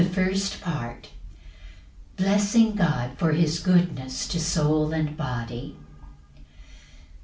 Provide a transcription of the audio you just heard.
First Part. L. M. Blessing God for his goodness to soul and body.